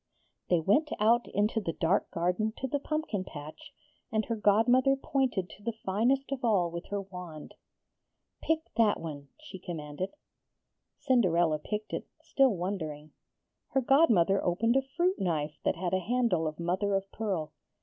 They went out into the dark garden to the pumpkin patch, and her godmother pointed to the finest of all with her wand. 'Pick that one,' she commanded. Cinderella picked it, still wondering. Her godmother opened a fruit knife that had a handle of mother of pearl.